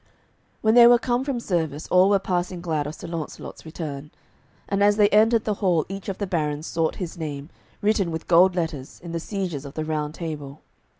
When they were come from service all were passing glad of Sir Launcelot's return. And as they entered the hall each of the barons sought his name, written with gold letters, in the sieges of the Round Table.